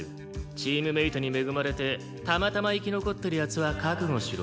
チームメートに恵まれてたまたま生き残ってる奴は覚悟しろ。